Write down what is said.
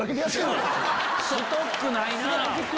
ストックないなぁ。